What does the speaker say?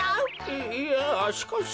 いいやしかし。